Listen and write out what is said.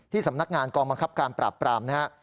สำนักงานกองบังคับการปราบปรามนะครับ